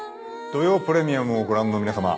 『土曜プレミアム』をご覧の皆さま